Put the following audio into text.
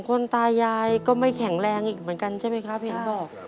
๒คนตายยายก็ไม่แข็งแรงอีกเหมือนกันใช่มั้ยคะเพียงบอก